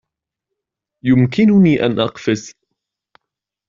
يمكنني أن أقفز.